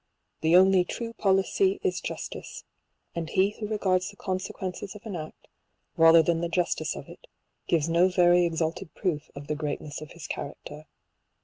The only true policy is justice ; and he who regards the consequences of an act, rather than the jus tice of it, gives no very exalted proof of the greatness of his character.